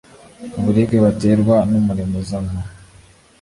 uburibwe baterwa numuriro uzanwa